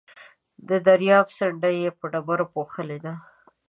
د درياب څنډه يې په ډبرو پوښلې ده.